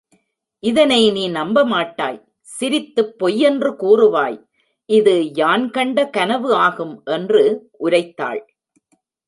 இதனை நீ நம்பமாட்டாய் சிரித்துப் பொய் என்று கூறுவாய் இது யான் கண்ட கனவு ஆகும் என்று உரைத்தாள்.